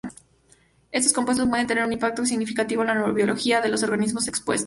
Estos compuestos pueden tener un impacto significativo en la neurobiología de los organismos expuestos.